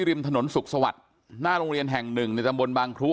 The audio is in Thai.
ริมถนนสุขสวัสดิ์หน้าโรงเรียนแห่งหนึ่งในตำบลบางครุ